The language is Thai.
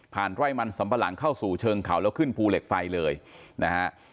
ไร่มันสำปะหลังเข้าสู่เชิงเขาแล้วขึ้นภูเหล็กไฟเลยนะฮะ